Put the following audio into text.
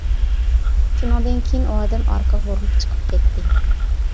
شۇنىڭدىن كىيىن ئۇ ئادەم ئارقىغا بۇرۇلۇپ چىقىپ كەتتى.